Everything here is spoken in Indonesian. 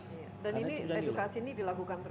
dan ini edukasi ini dilakukan terus